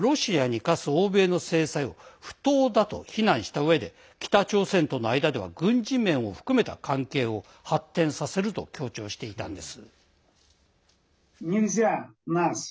インタビューしたんですが私の質問に対してロシアに科す欧米の制裁を不当だと非難したうえで北朝鮮との間では軍事面を含めた関係を発展させると強調していたんです。